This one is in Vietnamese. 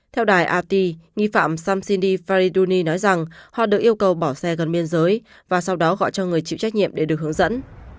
theo đài rt nghi phạm samshiny fariduni nói rằng họ được yêu cầu bỏ xe gần biên giới và sau đó gọi cho người chịu trách nhiệm để được hướng dẫn